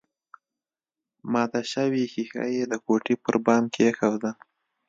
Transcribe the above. ماته شوې ښيښه يې د کوټې پر بام کېښوده